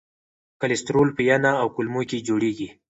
کلسترول په ینه او کولمو کې جوړېږي.